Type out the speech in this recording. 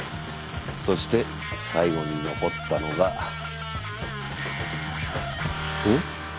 そして最後に残ったのがん？